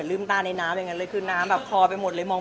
ลืมตาในน้ำ